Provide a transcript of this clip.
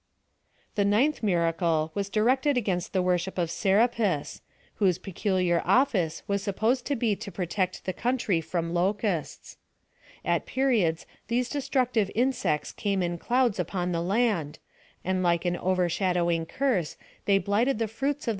The ninth miracle was directed against the wor ship of S3rapis, whose peculiar office was supposed to be to protect the country from locusts. At pe riods* these destructive insects came in clouds upon the land, and like an overshadowing curse they PLAN OF SALVATION. 69 blighted the fraits of t?